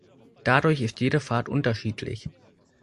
Dadurch ist jede Fahrt unterschiedlich.